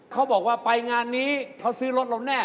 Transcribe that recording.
เขาบอกว่าไปงานนี้เขาซื้อรถเราแน่